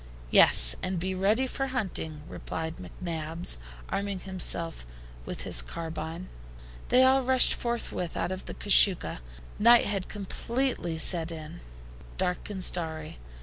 "Yes, and be ready for hunting," replied McNabbs, arming himself with his carbine. They all rushed forthwith out of the CASUCHA. Night had completely set in, dark and starry.